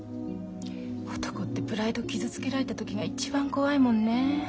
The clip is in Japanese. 男ってプライド傷つけられた時が一番怖いもんね。